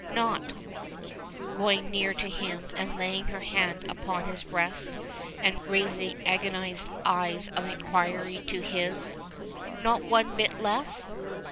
Not," going nearer to him, and laying her hand upon his breast, and raising agonized eyes of inquiry to his "not one bit less?"